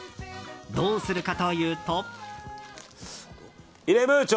どうするかというと。